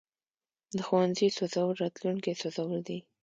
د ښوونځي سوځول راتلونکی سوځول دي.